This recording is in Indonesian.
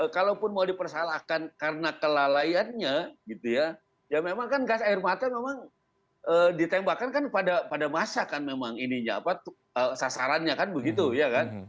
kalaupun mau dipersalahkan karena kelalaiannya gitu ya ya memang kan gas air mata memang ditembakkan kan pada masa kan memang ininya apa sasarannya kan begitu ya kan